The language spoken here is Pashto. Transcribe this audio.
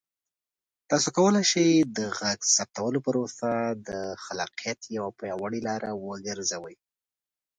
تاسو کولی شئ د غږ ثبتولو پروسه د خلاقیت یوه پیاوړې لاره وګرځوئ.